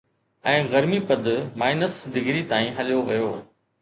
۽ گرمي پد minus degree تائين هليو ويو